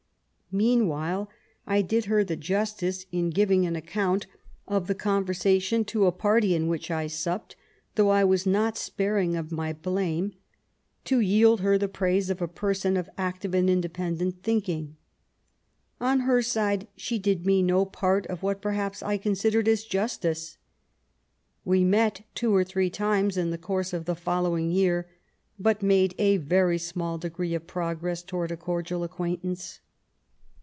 Meanwhile, I did her the justice, in giving an account of the con versation to a party in which I supped, though I was not sparing of my blame, to yield her the praise of a person of active and indepen dent thinking. On her side she did me no part of what perhaps I considered as justice. We met two or three times in the course of the following year, but made a very small degree of progress towards a cordial ac quaintance.